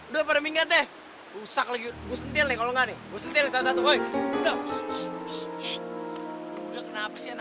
dompet kak gue lo mau nyopet ya